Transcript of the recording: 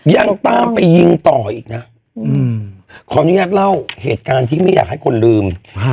ยังตามไปยิงต่ออีกนะขออนุญาตเล่าเหตุการณ์ที่ไม่อยากให้คนลืม